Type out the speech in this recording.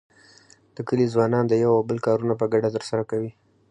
د کلي ځوانان د یو او بل کارونه په ګډه تر سره کوي.